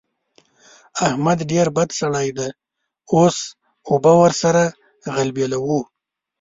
احمد ډېر بد سړی دی؛ اوس اوبه ور سره غلبېلوو.